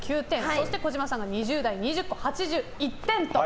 そして児嶋さんが２０代、２０個、８１点と。